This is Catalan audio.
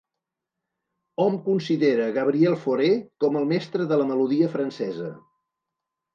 Hom considera Gabriel Fauré com el mestre de la melodia francesa.